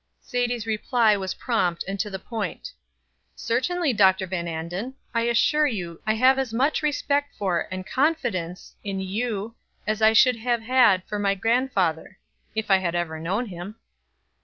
Sadie's reply was prompt and to the point. "Certainly, Dr. Van Anden; I assure you I have as much respect for, and confidence in, you as I should have had for my grandfather, if I had ever known him."